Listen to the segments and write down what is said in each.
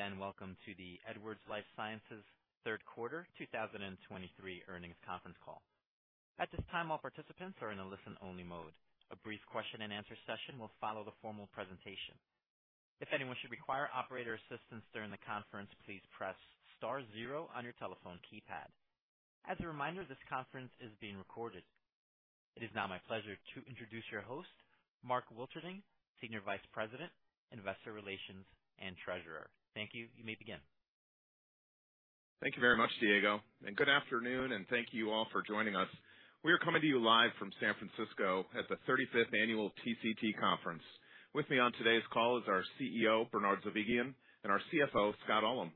Greetings, and welcome to the Edwards Lifesciences third quarter 2023 earnings conference call. At this time, all participants are in a listen-only mode. A brief question and answer session will follow the formal presentation. If anyone should require operator assistance during the conference, please press star zero on your telephone keypad. As a reminder, this conference is being recorded. It is now my pleasure to introduce your host, Mark Wilterding, Senior Vice President, Investor Relations and Treasurer. Thank you. You may begin. Thank you very much, Diego, and good afternoon, and thank you all for joining us. We are coming to you live from San Francisco at the 35th annual TCT conference. With me on today's call is our CEO, Bernard Zovighian, and our CFO, Scott Ullem.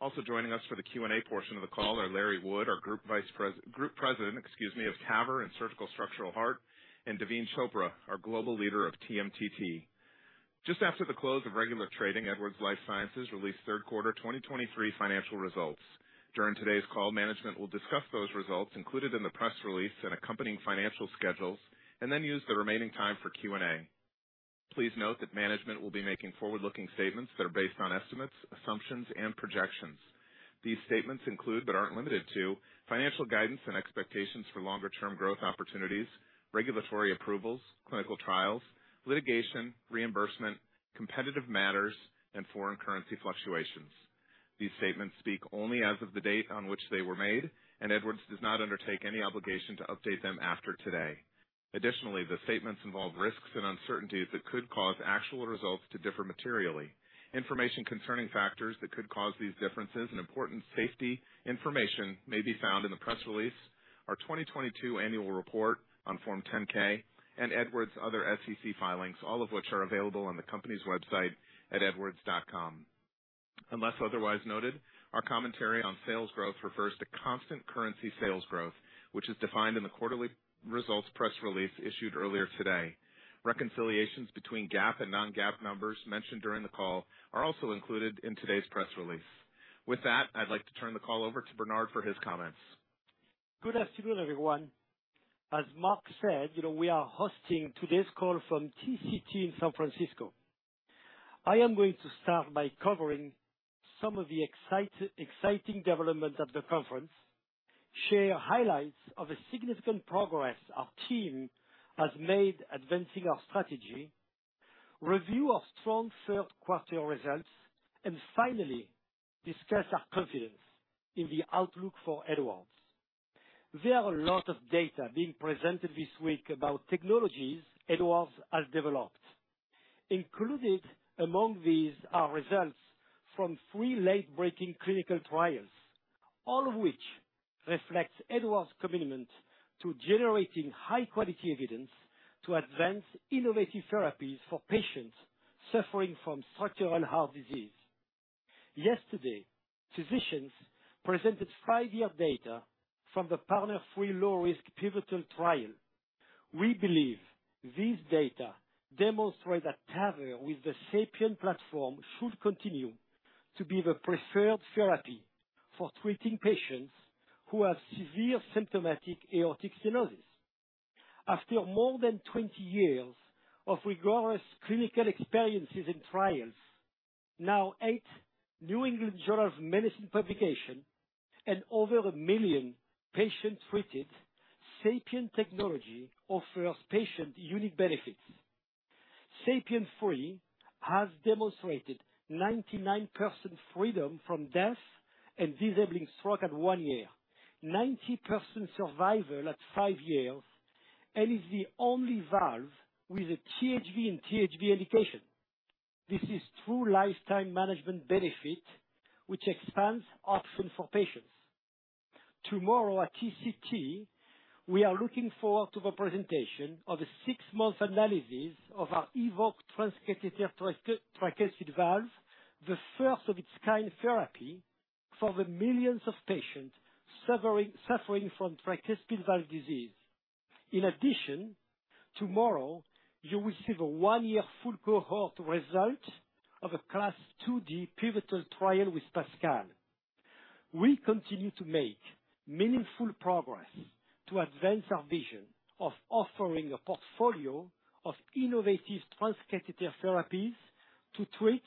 Also joining us for the Q&A portion of the call are Larry Wood, our Group President, excuse me, of TAVR and Surgical Structural Heart, and Daveen Chopra, our Global Leader of TMTT. Just after the close of regular trading, Edwards Lifesciences released third quarter 2023 financial results. During today's call, management will discuss those results included in the press release and accompanying financial schedules, and then use the remaining time for Q&A. Please note that management will be making forward-looking statements that are based on estimates, assumptions, and projections. These statements include, but aren't limited to, financial guidance and expectations for longer-term growth opportunities, regulatory approvals, clinical trials, litigation, reimbursement, competitive matters, and foreign currency fluctuations. These statements speak only as of the date on which they were made, and Edwards does not undertake any obligation to update them after today. Additionally, the statements involve risks and uncertainties that could cause actual results to differ materially. Information concerning factors that could cause these differences and important safety information may be found in the press release, our 2022 annual report on Form 10-K, and Edwards' other SEC filings, all of which are available on the company's website at edwards.com. Unless otherwise noted, our commentary on sales growth refers to constant currency sales growth, which is defined in the quarterly results press release issued earlier today. Reconciliations between GAAP and non-GAAP numbers mentioned during the call are also included in today's press release. With that, I'd like to turn the call over to Bernard for his comments. Good afternoon, everyone. As Mark said, you know, we are hosting today's call from TCT in San Francisco. I am going to start by covering some of the exciting developments at the conference, share highlights of the significant progress our team has made advancing our strategy, review our strong third quarter results, and finally, discuss our confidence in the outlook for Edwards. There are a lot of data being presented this week about technologies Edwards has developed. Included among these are results from three late-breaking clinical trials, all of which reflects Edwards' commitment to generating high-quality evidence to advance innovative therapies for patients suffering from structural heart disease. Yesterday, physicians presented five year data from the PARTNER 3 low-risk pivotal trial. We believe these data demonstrate that TAVR, with the SAPIEN platform, should continue to be the preferred therapy for treating patients who have severe symptomatic aortic stenosis. After more than 20 years of rigorous clinical experiences and trials, now 8 New England Journal of Medicine publications and over 1 million patients treated, SAPIEN technology offers patients unique benefits. SAPIEN 3 has demonstrated 99% freedom from death and disabling stroke at one year, 90% survival at five years, and is the only valve with a THV-in-THV indication. This is true lifetime management benefit, which expands options for patients. Tomorrow, at TCT, we are looking forward to the presentation of the 6-month analysis of our EVOQUE transcatheter tricuspid valve, the first of its kind therapy for the millions of patients suffering from tricuspid valve disease. In addition, tomorrow, you will see the one year full cohort result of a Class IID pivotal trial with PASCAL. We continue to make meaningful progress to advance our vision of offering a portfolio of innovative transcatheter therapies to treat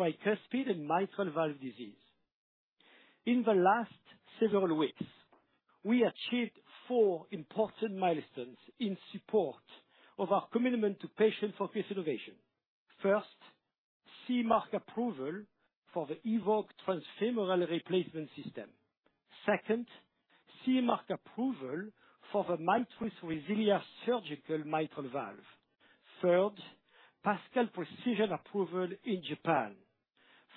tricuspid and mitral valve disease. In the last several weeks, we achieved four important milestones in support of our commitment to patient-focused innovation. First, CE Mark approval for the EVOQUE transfemoral replacement system. Second, CE Mark approval for the MITRIS RESILIA surgical mitral valve. Third, PASCAL Precision approval in Japan.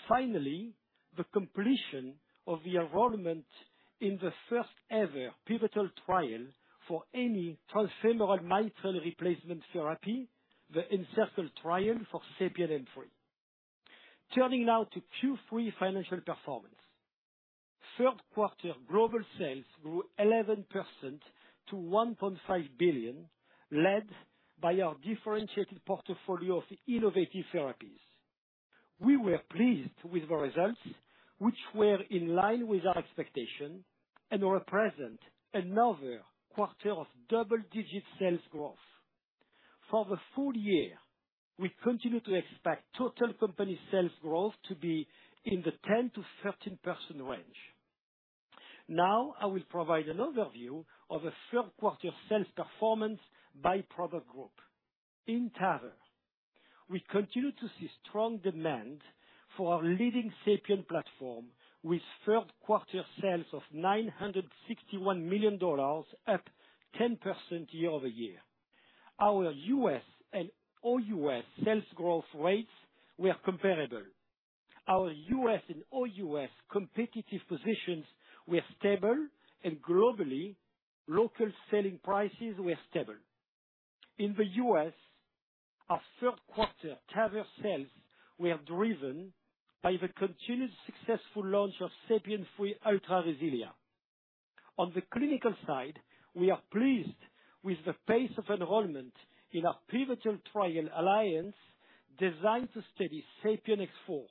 Finally, the completion of the enrollment in the first-ever pivotal trial for any transfemoral mitral replacement therapy, the ENCIRCLE trial for SAPIEN M3. Turning now to Q3 financial performance. Third quarter global sales grew 11% to $1.5 billion, led by our differentiated portfolio of innovative therapies. We were pleased with the results, which were in line with our expectation and represent another quarter of double-digit sales growth. For the full year, we continue to expect total company sales growth to be in the 10%-13% range. Now, I will provide an overview of the third quarter sales performance by product group. In TAVR, we continue to see strong demand for our leading SAPIEN platform, with third quarter sales of $961 million, up 10% year-over-year. Our US and OUS sales growth rates were comparable. Our US and OUS competitive positions were stable, and globally, local selling prices were stable. In the US, our third quarter TAVR sales were driven by the continued successful launch of SAPIEN 3 Ultra RESILIA. On the clinical side, we are pleased with the pace of enrollment in our pivotal trial ALLIANCE, designed to study SAPIEN X4,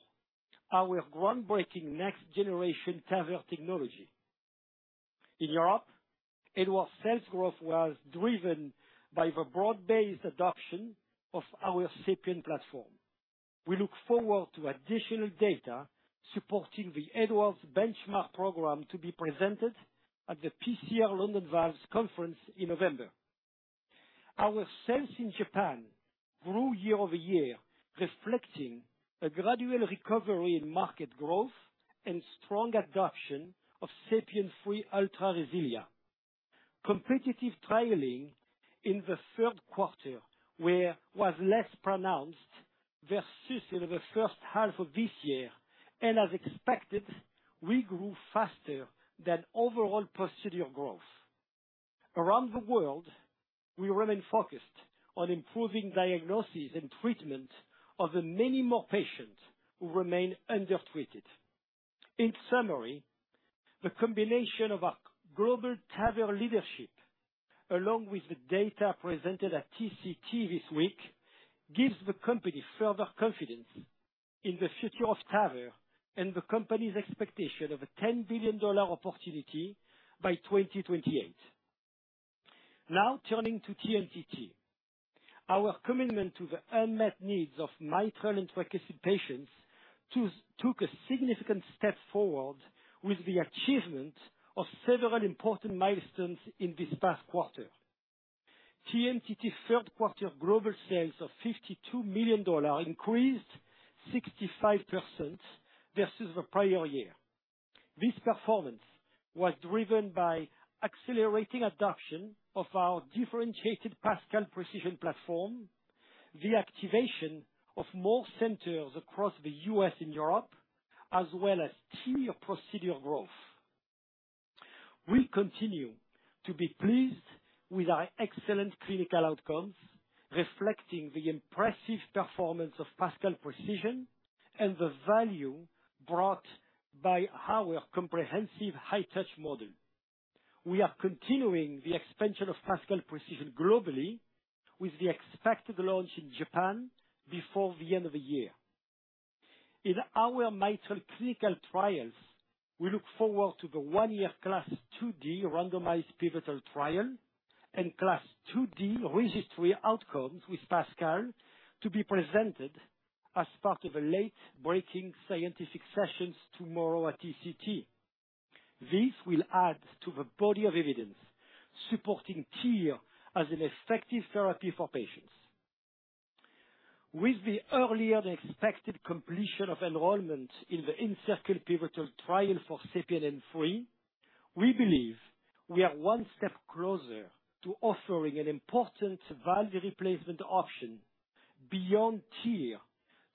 our groundbreaking next generation TAVR technology. In Europe, Edwards' sales growth was driven by the broad-based adoption of our SAPIEN platform. We look forward to additional data supporting the Edwards Benchmark Program to be presented at the PCR London Valves Conference in November. Our sales in Japan grew year-over-year, reflecting a gradual recovery in market growth and strong adoption of SAPIEN 3 Ultra RESILIA. Competitive trialing in the third quarter was less pronounced versus in the first half of this year, and as expected, we grew faster than overall procedural growth. Around the world, we remain focused on improving diagnosis and treatment of the many more patients who remain undertreated. In summary, the combination of our global TAVR leadership, along with the data presented at TCT this week, gives the company further confidence in the future of TAVR and the company's expectation of a $10 billion opportunity by 2028. Now, turning to TMTT. Our commitment to the unmet needs of mitral and tricuspid patients took a significant step forward with the achievement of several important milestones in this past quarter. TMTT third quarter global sales of $52 million increased 65% versus the prior year. This performance was driven by accelerating adoption of our differentiated PASCAL Precision platform, the activation of more centers across the U.S. and Europe, as well as TEER procedural growth. We continue to be pleased with our excellent clinical outcomes, reflecting the impressive performance of PASCAL Precision and the value brought by our comprehensive high touch model. We are continuing the expansion of PASCAL Precision globally, with the expected launch in Japan before the end of the year. In our mitral clinical trials, we look forward to the one year CLASP IID randomized pivotal trial, and CLASP IID registry outcomes with PASCAL to be presented as part of a late-breaking scientific sessions tomorrow at TCT. This will add to the body of evidence supporting TEER as an effective therapy for patients. With the earlier than expected completion of enrollment in the ENCIRCLE pivotal trial for SAPIEN 3, we believe we are one step closer to offering an important valve replacement option beyond TEER,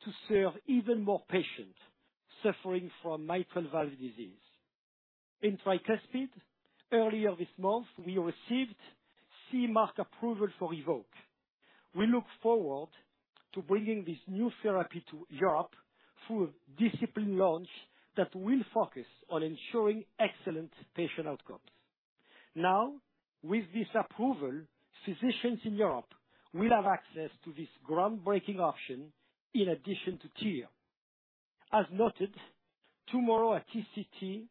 to serve even more patients suffering from mitral valve disease. In TRISCEND, earlier this month, we received CE Mark approval for EVOQUE. We look forward to bringing this new therapy to Europe through a disciplined launch that will focus on ensuring excellent patient outcomes. Now, with this approval, physicians in Europe will have access to this groundbreaking option in addition to TEER. As noted, tomorrow at TCT,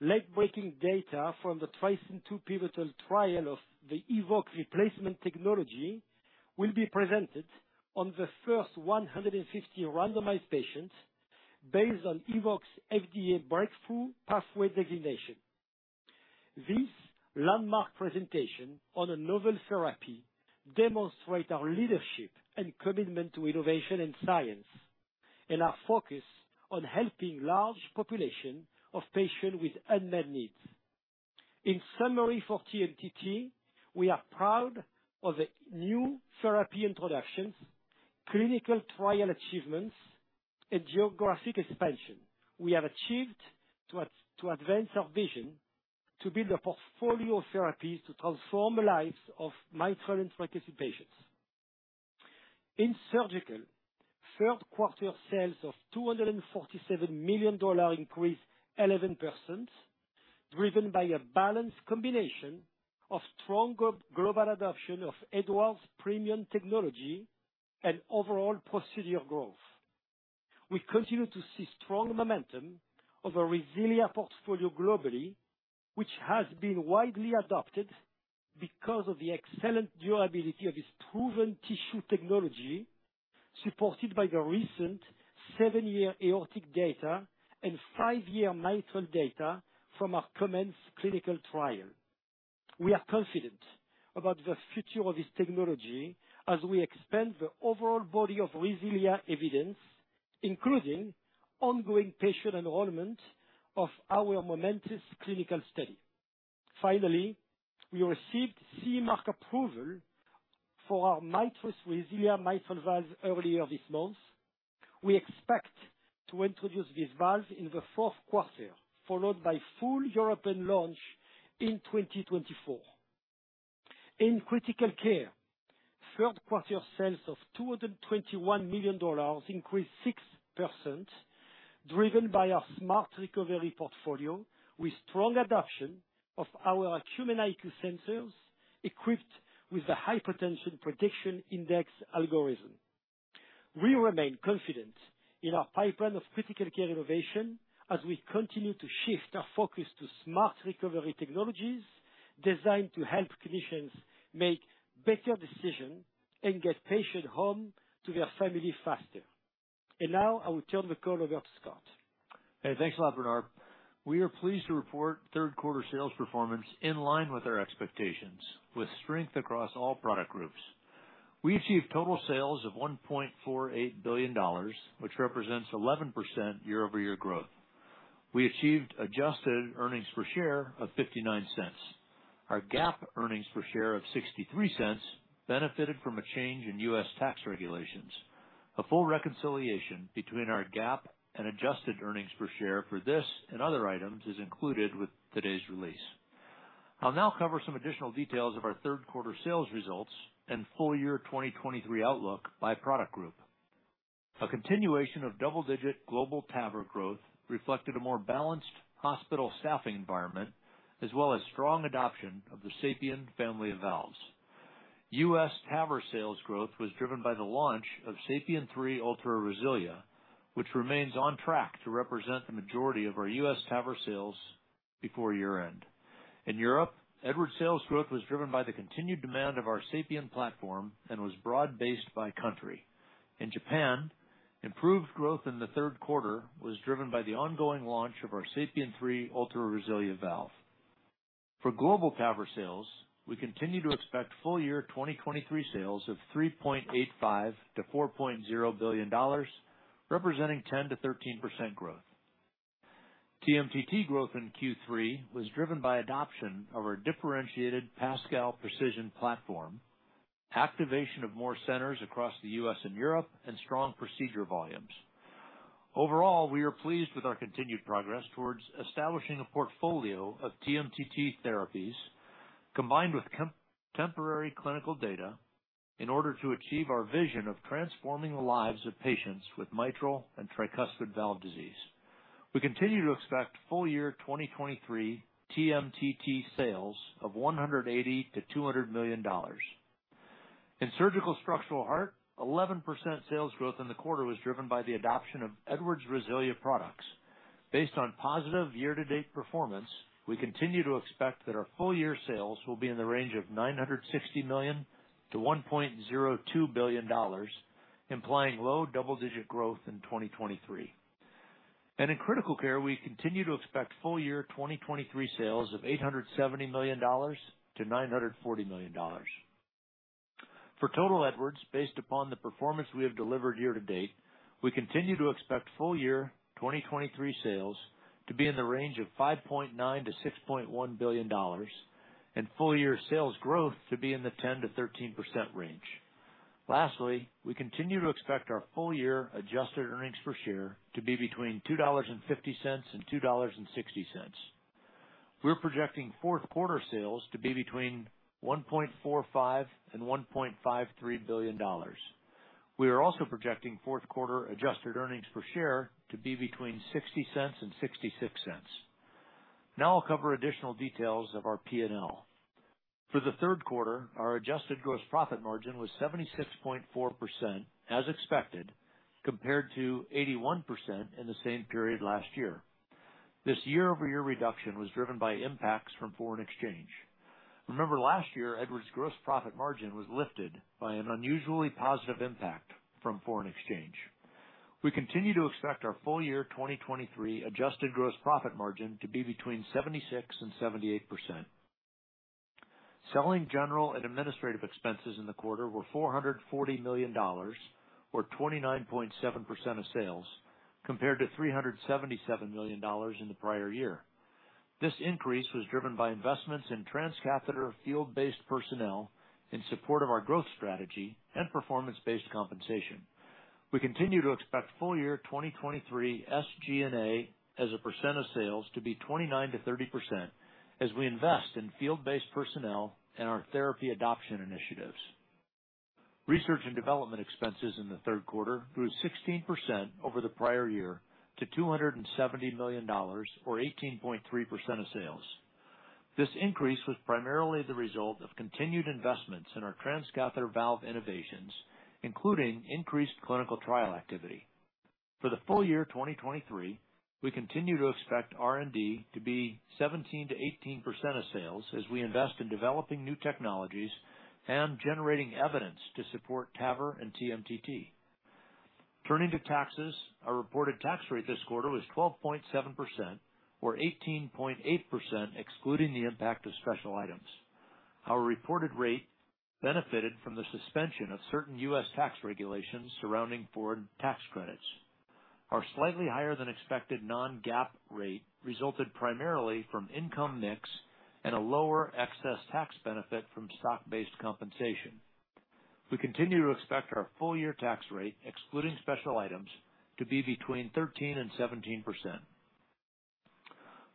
late-breaking data from the TRISCEND II pivotal trial of the EVOQUE replacement technology will be presented on the first 150 randomized patients based on EVOQUE's FDA breakthrough pathway designation. This landmark presentation on a novel therapy demonstrate our leadership and commitment to innovation and science, and our focus on helping large population of patients with unmet needs. In summary, for TMTT, we are proud of the new therapy introductions, clinical trial achievements, and geographic expansion we have achieved to advance our vision to build a portfolio of therapies to transform the lives of mitral and tricuspid patients. In Surgical, third quarter sales of $247 million increase 11%, driven by a balanced combination of strong global adoption of Edwards premium technology and overall procedure growth. We continue to see strong momentum of our RESILIA portfolio globally, which has been widely adopted because of the excellent durability of its proven tissue technology, supported by the recent seven year aortic data and five year mitral data from our COMMENCE clinical trial. We are confident about the future of this technology as we expand the overall body of RESILIA evidence, including ongoing patient enrollment of our MOMENTOUS clinical study. Finally, we received CE Mark approval for our MITRIS RESILIA mitral valve earlier this month. We expect to introduce this valve in the fourth quarter, followed by full European launch in 2024. In critical care, third quarter sales of $221 million increased 6%, driven by our smart recovery portfolio, with strong adoption of our Acumen IQ sensors, equipped with the Hypotension Prediction Index algorithm. We remain confident in our pipeline of critical care innovation as we continue to shift our focus to smart recovery technologies designed to help clinicians make better decisions and get patients home to their family faster. Now I will turn the call over to Scott. Hey, thanks a lot, Bernard. We are pleased to report third quarter sales performance in line with our expectations, with strength across all product groups. We achieved total sales of $1.48 billion, which represents 11% year-over-year growth. We achieved adjusted earnings per share of $0.59. Our GAAP earnings per share of $0.63 benefited from a change in U.S. tax regulations. A full reconciliation between our GAAP and adjusted earnings per share for this and other items is included with today's release. I'll now cover some additional details of our third quarter sales results and full year 2023 outlook by product group. A continuation of double-digit global TAVR growth reflected a more balanced hospital staffing environment, as well as strong adoption of the SAPIEN family of valves. U.S. TAVR sales growth was driven by the launch of SAPIEN 3 Ultra RESILIA, which remains on track to represent the majority of our U.S. TAVR sales before year-end. In Europe, Edwards sales growth was driven by the continued demand of our SAPIEN platform and was broad-based by country. In Japan, improved growth in the third quarter was driven by the ongoing launch of our SAPIEN 3 Ultra RESILIA valve. For global TAVR sales, we continue to expect full year 2023 sales of $3.85 billion-$4.0 billion, representing 10%-13% growth. TMTT growth in Q3 was driven by adoption of our differentiated PASCAL Precision platform, activation of more centers across the U.S. and Europe, and strong procedure volumes. Overall, we are pleased with our continued progress towards establishing a portfolio of TMTT therapies, combined with contemporary clinical data, in order to achieve our vision of transforming the lives of patients with mitral and tricuspid valve disease. We continue to expect full year 2023 TMTT sales of $180 million-$200 million. In surgical structural heart, 11% sales growth in the quarter was driven by the adoption of Edwards RESILIA products. Based on positive year-to-date performance, we continue to expect that our full year sales will be in the range of $960 million-$1.02 billion, implying low double-digit growth in 2023. In critical care, we continue to expect full year 2023 sales of $870 million-$940 million. For total Edwards, based upon the performance we have delivered year to date, we continue to expect full year 2023 sales to be in the range of $5.9 billion to $6.1 billion and full year sales growth to be in the 10%-13% range. Lastly, we continue to expect our full year adjusted earnings per share to be between $2.50 and $2.60. We're projecting fourth quarter sales to be between $1.45 billion-$1.53 billion. We are also projecting fourth quarter adjusted earnings per share to be between $0.60 and $0.66. Now I'll cover additional details of our PNL. For the third quarter, our adjusted gross profit margin was 76.4%, as expected, compared to 81% in the same period last year. This year-over-year reduction was driven by impacts from foreign exchange. Remember, last year, Edwards' gross profit margin was lifted by an unusually positive impact from foreign exchange. We continue to expect our full-year 2023 adjusted gross profit margin to be between 76%-78%. Selling general and administrative expenses in the quarter were $440 million, or 29.7% of sales, compared to $377 million in the prior year. This increase was driven by investments in transcatheter field-based personnel in support of our growth strategy and performance-based compensation. We continue to expect full year 2023 SG&A as a percent of sales to be 29%-30%, as we invest in field-based personnel and our therapy adoption initiatives. Research and development expenses in the third quarter grew 16% over the prior year to $270 million, or 18.3% of sales. This increase was primarily the result of continued investments in our transcatheter valve innovations, including increased clinical trial activity. For the full year 2023, we continue to expect R&D to be 17%-18% of sales, as we invest in developing new technologies and generating evidence to support TAVR and TMTT. Turning to taxes, our reported tax rate this quarter was 12.7%, or 18.8%, excluding the impact of special items. Our reported rate benefited from the suspension of certain U.S. tax regulations surrounding foreign tax credits. Our slightly higher than expected non-GAAP rate resulted primarily from income mix and a lower excess tax benefit from stock-based compensation. We continue to expect our full year tax rate, excluding special items, to be between 13% and 17%.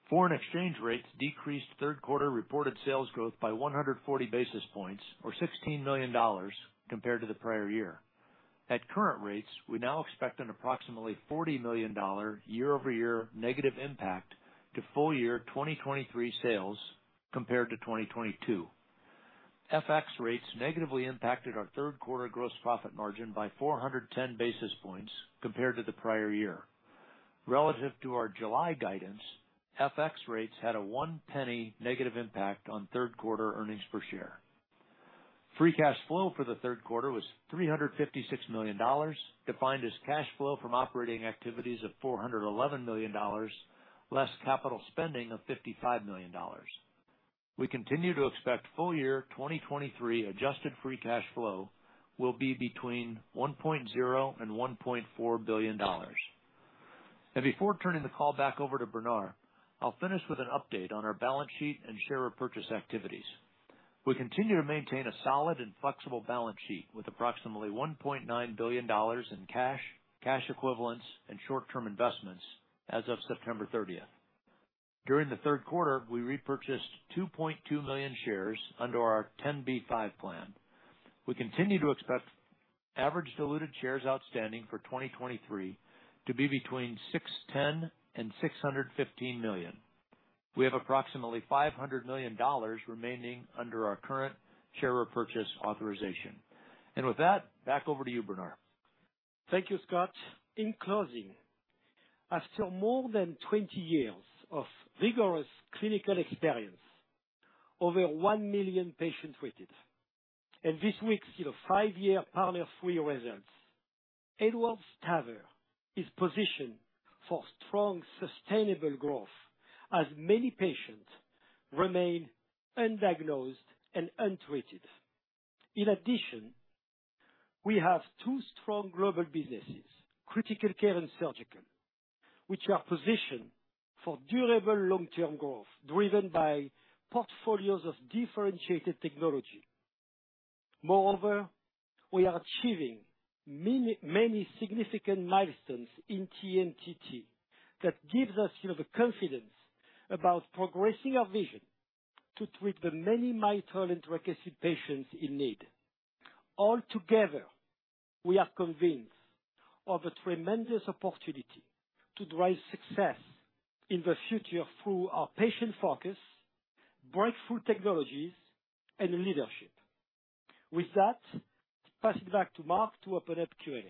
Foreign exchange rates decreased third quarter reported sales growth by 140 basis points, or $16 million, compared to the prior year. At current rates, we now expect an approximately $40 million year-over-year negative impact to full year 2023 sales compared to 2022. FX rates negatively impacted our third quarter gross profit margin by 410 basis points compared to the prior year. Relative to our July guidance, FX rates had a $0.01 negative impact on third quarter earnings per share. Free cash flow for the third quarter was $356 million, defined as cash flow from operating activities of $411 million, less capital spending of $55 million. We continue to expect full year 2023 adjusted free cash flow will be between $1.0 billion and $1.4 billion. Before turning the call back over to Bernard, I'll finish with an update on our balance sheet and share repurchase activities. We continue to maintain a solid and flexible balance sheet with approximately $1.9 billion in cash, cash equivalents, and short-term investments as of September 30. During the third quarter, we repurchased 2.2 million shares under our 10b5-1 plan. We continue to expect average diluted shares outstanding for 2023 to be between 610 and 615 million. We have approximately $500 million remaining under our current share repurchase authorization. With that, back over to you, Bernard. Thank you, Scott. In closing, after more than 20 years of vigorous clinical experience, over 1 million patients treated, and this week's, you know, five year PARTNER 3 results, Edwards TAVR is positioned for strong, sustainable growth as many patients remain undiagnosed and untreated. In addition, we have two strong global businesses, critical care and surgical, which are positioned for durable long-term growth, driven by portfolios of differentiated technology. Moreover, we are achieving many, many significant milestones in TMTT that gives us, you know, the confidence about progressing our vision to treat the many mitral and tricuspid patients in need. Altogether, we are convinced of the tremendous opportunity to drive success in the future through our patient focus, breakthrough technologies, and leadership. With that, pass it back to Mark to open up Q&A.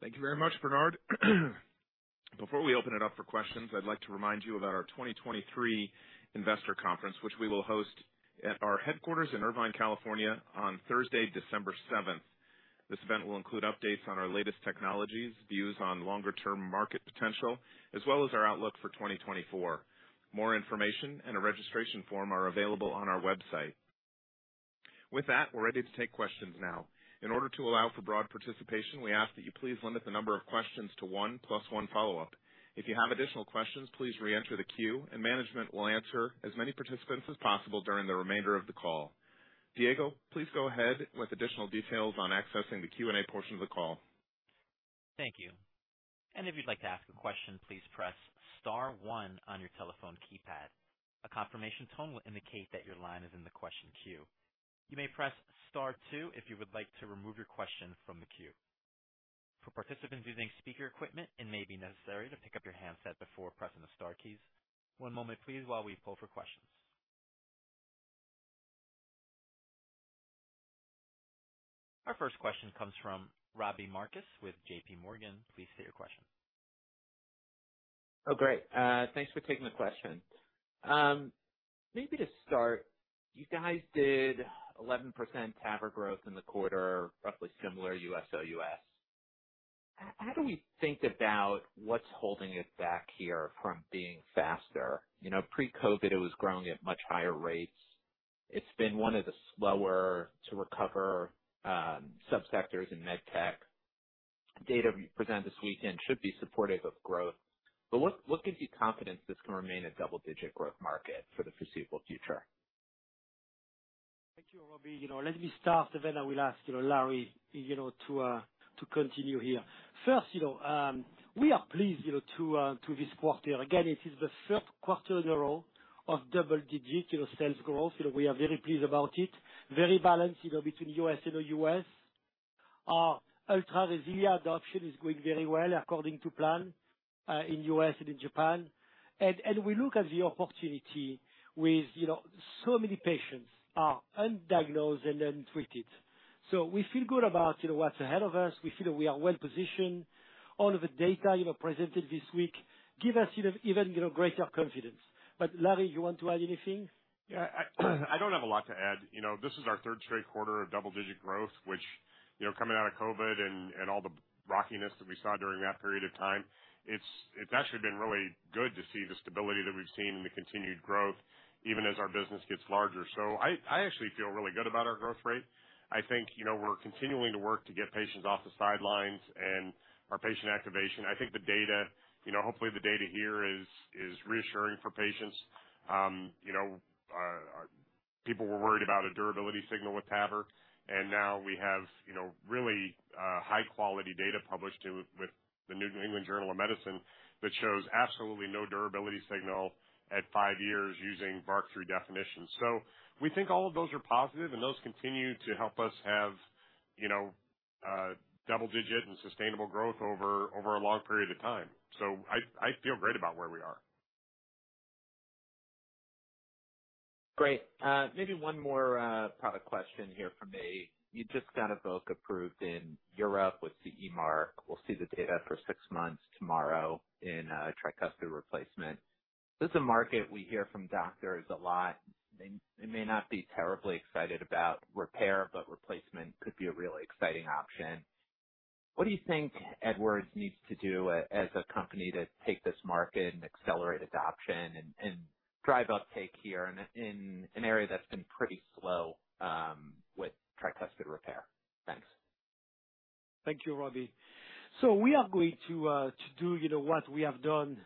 Thank you very much, Bernard. Before we open it up for questions, I'd like to remind you about our 2023 investor conference, which we will host at our headquarters in Irvine, California, on Thursday, December 7. This event will include updates on our latest technologies, views on longer-term market potential, as well as our outlook for 2024. More information and a registration form are available on our website. With that, we're ready to take questions now. In order to allow for broad participation, we ask that you please limit the number of questions to one, plus one follow-up. If you have additional questions, please reenter the queue, and management will answer as many participants as possible during the remainder of the call. Diego, please go ahead with additional details on accessing the Q&A portion of the call. Thank you. If you'd like to ask a question, please press star one on your telephone keypad. A confirmation tone will indicate that your line is in the question queue. You may press star two if you would like to remove your question from the queue. For participants using speaker equipment, it may be necessary to pick up your handset before pressing the star keys. One moment, please, while we pull for questions. Our first question comes from Robbie Marcus with JPMorgan. Please state your question. Oh, great. Thanks for taking the question. Maybe to start, you guys did 11% TAVR growth in the quarter, roughly similar US, OUS. How do we think about what's holding it back here from being faster? You know, pre-COVID, it was growing at much higher rates. It's been one of the slower to recover subsectors in med tech. Data you present this weekend should be supportive of growth, but what gives you confidence this can remain a double-digit growth market for the foreseeable future? Thank you, Robbie. You know, let me start, and then I will ask, you know, Larry, you know, to continue here. First, you know, we are pleased, you know, to this quarter. Again, it is the third quarter in a row of double digits, you know, sales growth. You know, we are very pleased about it. Very balanced, you know, between US and OUS. Our ultra adoption is going very well, according to plan, in US and in Japan. And we look at the opportunity with, you know, so many patients are undiagnosed and untreated. So we feel good about, you know, what's ahead of us. We feel that we are well positioned. All of the data, you know, presented this week give us, you know, even, you know, greater confidence. But Larry, you want to add anything? Yeah, I, I don't have a lot to add. You know, this is our third straight quarter of double-digit growth, which, you know, coming out of COVID and, and all the rockiness that we saw during that period of time, it's, it's actually been really good to see the stability that we've seen and the continued growth, even as our business gets larger. So I, I actually feel really good about our growth rate. I think, you know, we're continuing to work to get patients off the sidelines and our patient activation. I think the data, you know, hopefully the data here is, is reassuring for patients. You know, people were worried about a durability signal with TAVR, and now we have, you know, really high quality data published with the New England Journal of Medicine, that shows absolutely no durability signal at five years using BARC-3 definitions. So we think all of those are positive, and those continue to help us have, you know, double digit and sustainable growth over a long period of time. So I feel great about where we are. Great. Maybe one more product question here from me. You just got EVOQUE approved in Europe with CE Mark. We'll see the data for six months tomorrow in tricuspid replacement. This is a market we hear from doctors a lot. They may not be terribly excited about repair, but replacement could be a really exciting option. What do you think Edwards needs to do as a company to take this market and accelerate adoption and drive uptake here in an area that's been pretty slow with tricuspid repair? Thanks. Thank you, Robbie. So we are going to do, you know, what we have done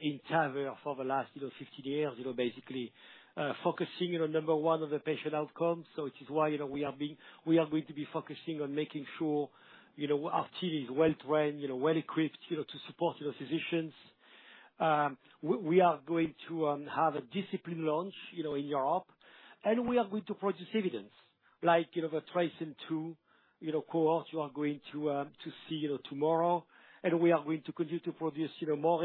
in TAVR for the last, you know, 15 years. You know, basically, focusing on number one of the patient outcomes. So which is why, you know, we are going to be focusing on making sure, you know, our team is well trained, you know, well equipped, you know, to support the physicians. We are going to have a disciplined launch, you know, in Europe, and we are going to produce evidence like, you know, the TRISCEND II cohort you are going to see, you know, tomorrow, and we are going to continue to produce, you know, more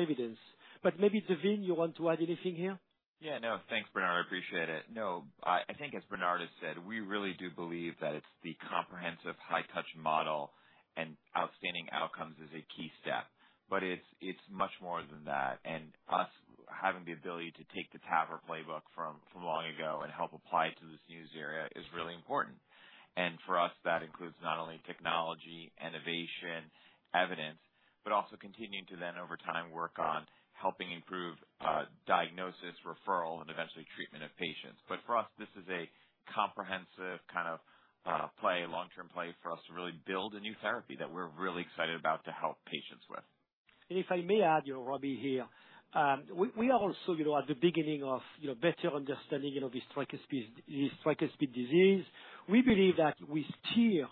evidence. But maybe, Daveen, you want to add anything here? Yeah, no, thanks, Bernard. I appreciate it. No, I, I think as Bernard has said, we really do believe that it's the comprehensive high touch model and outstanding outcomes is a key step. But it's, it's much more than that, and us having the ability to take the TAVR playbook from, from long ago and help apply it to this new area is really important. And for us, that includes not only technology, innovation, evidence, but also continuing to then over time, work on helping improve, diagnosis, referral, and eventually treatment of patients. But for us, this is a comprehensive kind of, play, long-term play for us to really build a new therapy that we're really excited about to help patients with. If I may add, you know, Robbie here, we, we are also, you know, at the beginning of, you know, better understanding, you know, this tricuspid, this tricuspid disease. We believe that with TEER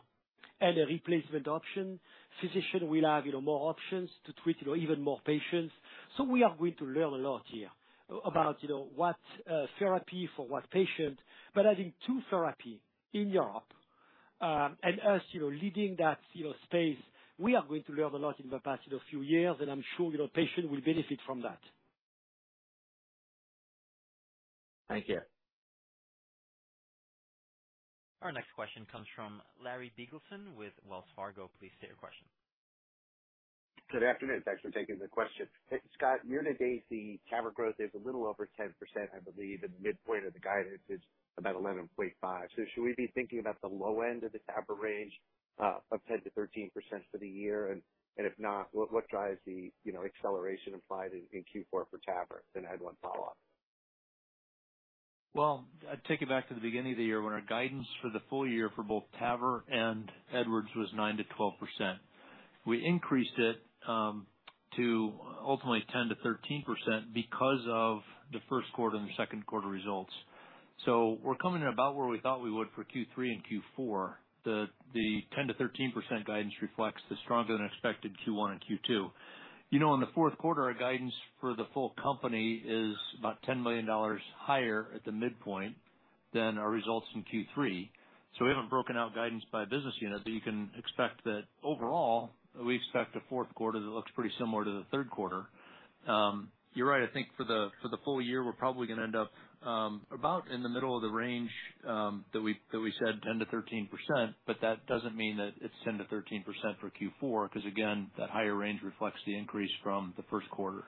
and a replacement option, physician will have, you know, more options to treat, you know, even more patients. So we are going to learn a lot here about, you know, what therapy for what patient. But I think TEER therapy in Europe and U.S., you know, leading that, you know, space, we are going to learn a lot in the past, you know, few years, and I'm sure, you know, patients will benefit from that. Thank you. Our next question comes from Larry Biegelsen with Wells Fargo. Please state your question. Good afternoon. Thanks for taking the question. Scott, year to date, the TAVR growth is a little over 10%, I believe, and midpoint of the guidance is about 11.5%. So should we be thinking about the low end of the TAVR range of 10%-13% for the year? And if not, what drives the, you know, acceleration implied in Q4 for TAVR? And I have one follow-up. Well, I'd take it back to the beginning of the year, when our guidance for the full year for both TAVR and Edwards was 9%-12%. We increased it to ultimately 10%-13% because of the first quarter and the second quarter results. So we're coming in about where we thought we would for Q3 and Q4. The ten to thirteen percent guidance reflects the stronger than expected Q1 and Q2. You know, in the fourth quarter, our guidance for the full company is about $10 million higher at the midpoint than our results in Q3. So we haven't broken out guidance by business unit, but you can expect that overall, we expect a fourth quarter that looks pretty similar to the third quarter. You're right, I think for the full year, we're probably gonna end up about in the middle of the range that we said, 10%-13%, but that doesn't mean that it's 10%-13% for Q4, because again, that higher range reflects the increase from the first quarter.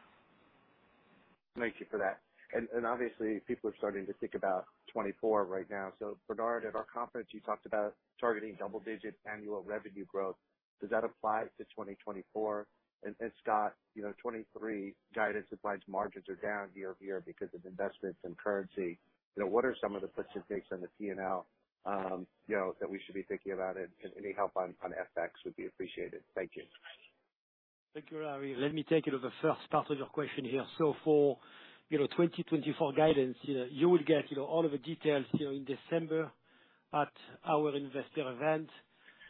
Thank you for that. And obviously, people are starting to think about 2024 right now. So Bernard, at our conference, you talked about targeting double-digit annual revenue growth. Does that apply to 2024? And Scott, you know, 2023 guidance implies margins are down year-over-year because of investments and currency. You know, what are some of the push and takes on the P&L, you know, that we should be thinking about it, and any help on FX would be appreciated. Thank you. Thank you, Larry. Let me take, you know, the first part of your question here. So for, you know, 2024 guidance, you know, you will get, you know, all of the details, you know, in December at our investor event.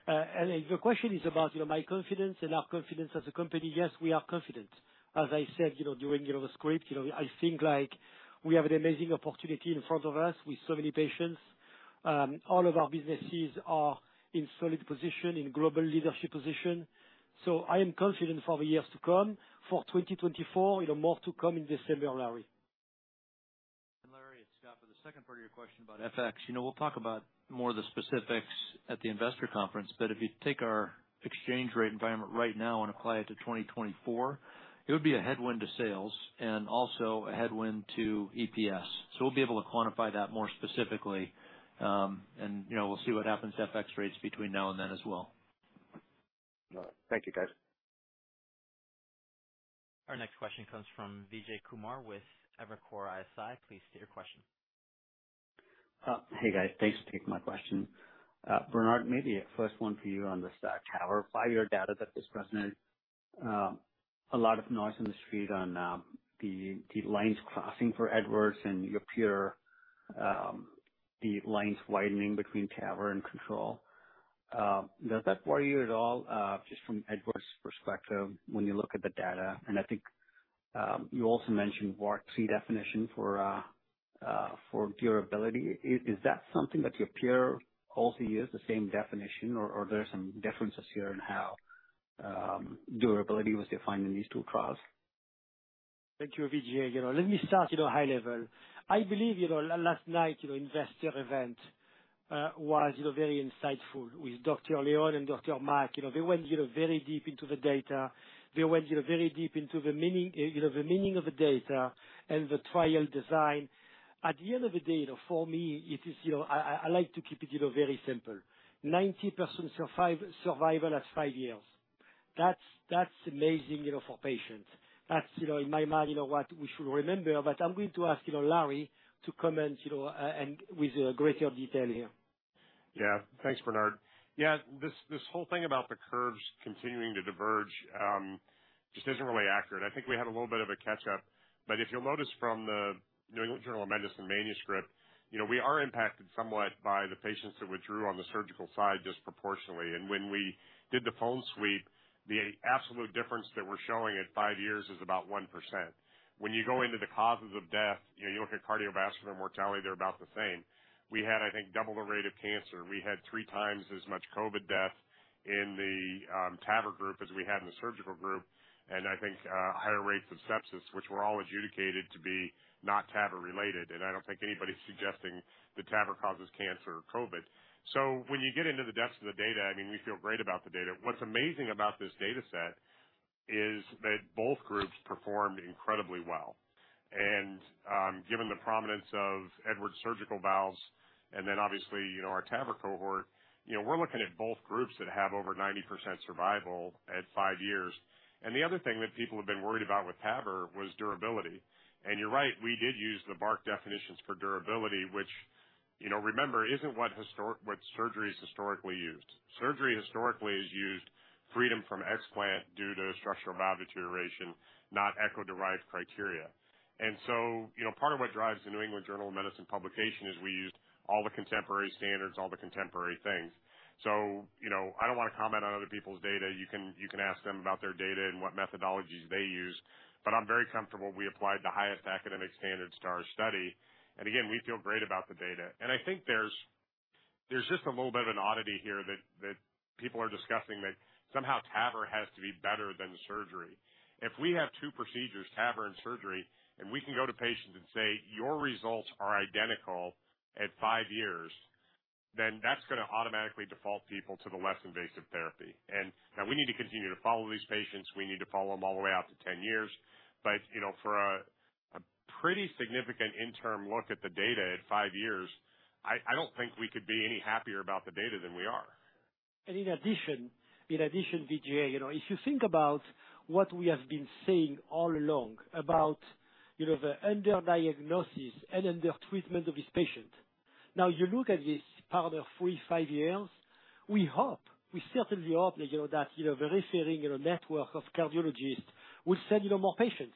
And if the question is about, you know, my confidence and our confidence as a company, yes, we are confident. As I said, you know, during, you know, the script, you know, I think like we have an amazing opportunity in front of us with so many patients.... all of our businesses are in solid position, in global leadership position. So I am confident for the years to come, for 2024, you know, more to come in December, Larry. Larry, it's Scott. For the second part of your question about FX, you know, we'll talk about more of the specifics at the investor conference, but if you take our exchange rate environment right now and apply it to 2024, it would be a headwind to sales and also a headwind to EPS. So we'll be able to quantify that more specifically, and, you know, we'll see what happens to FX rates between now and then as well. All right. Thank you, guys. Our next question comes from Vijay Kumar with Evercore ISI. Please state your question. Hey, guys. Thanks for taking my question. Bernard, maybe a first one for you on the SAPIEN 3. Five year data that was presented, a lot of noise in the street on the lines crossing for Edwards and your peer, the lines widening between TAVR and Control. Does that worry you at all, just from Edwards' perspective when you look at the data? And I think you also mentioned BARC definition for durability. Is that something that your peer also uses the same definition or are there some differences here in how durability was defined in these two trials? Thank you, Vijay. You know, let me start, you know, high level. I believe, you know, last night, you know, investor event was, you know, very insightful with Dr. Leon and Dr. Mark. You know, they went, you know, very deep into the data. They went, you know, very deep into the meaning, you know, the meaning of the data and the trial design. At the end of the day, you know, for me, it is... You know, I like to keep it, you know, very simple. 90% survival at five years, that's amazing, you know, for patients. That's, you know, in my mind, you know, what we should remember. But I'm going to ask, you know, Larry to comment, you know, and with greater detail here. Yeah. Thanks, Bernard. Yeah, this, this whole thing about the curves continuing to diverge just isn't really accurate. I think we had a little bit of a catch-up, but if you'll notice from the New England Journal of Medicine manuscript, you know, we are impacted somewhat by the patients that withdrew on the surgical side disproportionately. And when we did the phone sweep, the absolute difference that we're showing at five years is about 1%. When you go into the causes of death, you know, you look at cardiovascular mortality, they're about the same. We had, I think, double the rate of cancer. We had three times as much Covid death in the TAVR group as we had in the surgical group, and I think higher rates of sepsis, which we all adjudicate to be not TAVR related. I don't think anybody's suggesting that TAVR causes cancer or COVID. So when you get into the depths of the data, I mean, we feel great about the data. What's amazing about this data set is that both groups performed incredibly well. And, given the prominence of Edwards surgical valves, and then obviously, you know, our TAVR cohort, you know, we're looking at both groups that have over 90% survival at five years. And the other thing that people have been worried about with TAVR was durability. And you're right, we did use the BARC definitions for durability, which, you know, remember, isn't what surgery has historically used. Surgery historically has used freedom from explant due to structural valve deterioration, not echo-derived criteria. And so, you know, part of what drives the New England Journal of Medicine publication is we used all the contemporary standards, all the contemporary things. So, you know, I don't want to comment on other people's data. You can, you can ask them about their data and what methodologies they use, but I'm very comfortable we applied the highest academic standards to our study. And again, we feel great about the data. And I think there's, there's just a little bit of an oddity here that, that people are discussing, that somehow TAVR has to be better than surgery. If we have two procedures, TAVR and surgery, and we can go to patients and say, "Your results are identical at five years," then that's gonna automatically default people to the less invasive therapy. And now we need to continue to follow these patients. We need to follow them all the way out to 10 years. But, you know, for a pretty significant interim look at the data at five years, I don't think we could be any happier about the data than we are. In addition, Vijay, you know, if you think about what we have been saying all along about, you know, the under diagnosis and under treatment of this patient. Now, you look at this part of the three to five years, we hope, we certainly hope that, you know, that, you know, the referring, you know, network of cardiologists will send, you know, more patients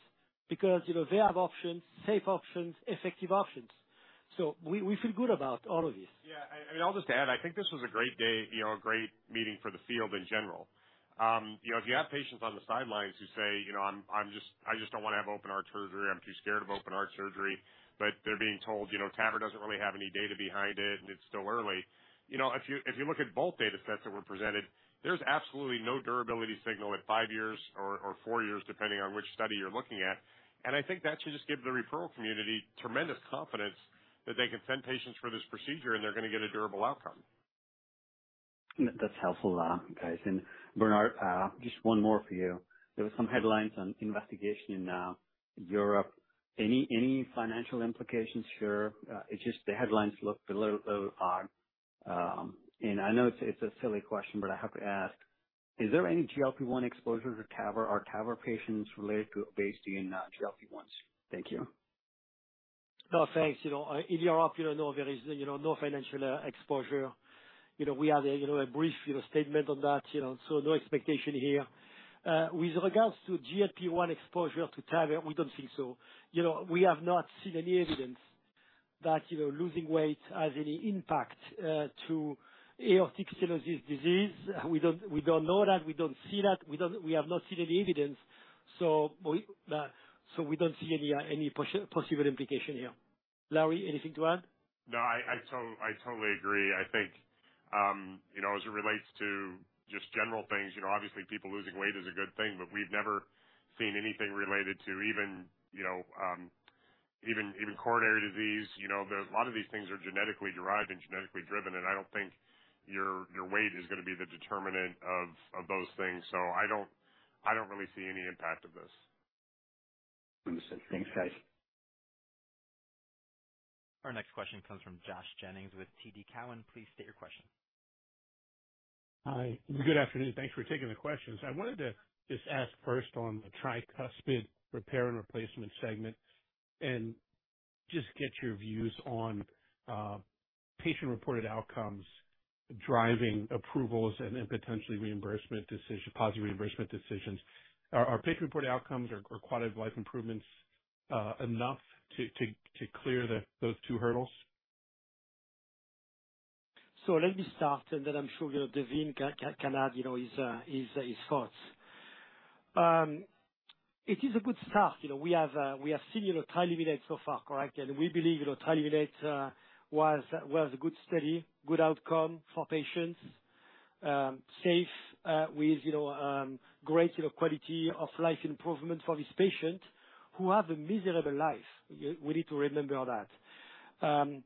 because, you know, they have options, safe options, effective options. So we, we feel good about all of this. Yeah. I mean, I'll just add, I think this was a great day, you know, a great meeting for the field in general. You know, if you have patients on the sidelines who say, "You know, I'm just—I just don't want to have open heart surgery. I'm too scared of open heart surgery," but they're being told, "You know, TAVR doesn't really have any data behind it, and it's still early." You know, if you look at both data sets that were presented, there's absolutely no durability signal at five years or four years, depending on which study you're looking at. And I think that should just give the referral community tremendous confidence that they can send patients for this procedure, and they're gonna get a durable outcome. That's helpful, guys. And Bernard, just one more for you. There were some headlines on investigation in Europe. Any financial implications here? It's just the headlines look a little odd. And I know it's a silly question, but I have to ask, is there any GLP-1 exposure to TAVR or TAVR patients related to based in GLP-1? Thank you. Oh, thanks. You know, in Europe, you know, there is, you know, no financial exposure. You know, we had a, you know, a brief, you know, statement on that, you know, so no expectation here. With regards to GLP-1 exposure to TAVR, we don't think so. You know, we have not seen any evidence that, you know, losing weight has any impact to aortic stenosis disease. We don't, we don't know that. We don't see that. We don't... We have not seen any evidence. So we, so we don't see any possible implication here. Larry, anything to add? No, I totally agree. I think, you know, as it relates to just general things, you know, obviously people losing weight is a good thing, but we've never seen anything related to even, you know, even coronary disease. You know, there's a lot of these things are genetically derived and genetically driven, and I don't think your, your weight is gonna be the determinant of, of those things. So I don't, I don't really see any impact of this. Thanks, guys. Our next question comes from Josh Jennings with TD Cowen. Please state your question. Hi, good afternoon. Thanks for taking the questions. I wanted to just ask first on the tricuspid repair and replacement segment, and just get your views on patient-reported outcomes, driving approvals, and potentially reimbursement decision, positive reimbursement decisions. Are patient-reported outcomes or quality of life improvements enough to clear those two hurdles? So let me start, and then I'm sure, you know, Daveen can add, you know, his thoughts. It is a good start. You know, we have seen TRILUMINATE so far, correct? And we believe, you know, TRILUMINATE was a good study, good outcome for patients, safe, with great quality of life improvement for this patient who have a miserable life. We need to remember that.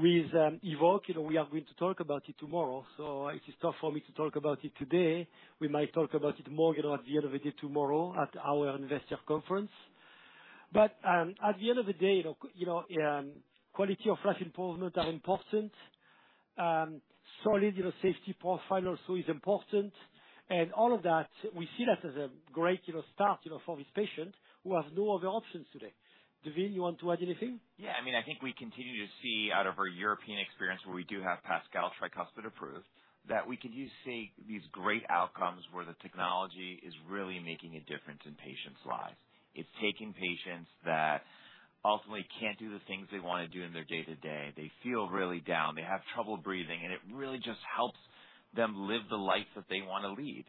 With EVOQUE, you know, we are going to talk about it tomorrow, so it is tough for me to talk about it today. We might talk about it more, you know, at the end of the day tomorrow at our investor conference. But at the end of the day, you know, quality of life improvement are important. Solid, you know, safety profile also is important. And all of that, we see that as a great, you know, start, you know, for this patient who have no other options today. Daveen, you want to add anything? Yeah, I mean, I think we continue to see out of our European experience, where we do have PASCAL tricuspid approved, that we continue to see these great outcomes where the technology is really making a difference in patients' lives. It's taking patients that ultimately can't do the things they wanna do in their day-to-day. They feel really down, they have trouble breathing, and it really just helps them live the life that they wanna lead.